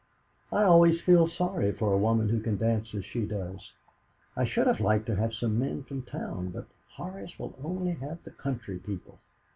"I always feel sorry for a woman who can dance as she does. I should have liked to have got some men from town, but Horace will only have the county people.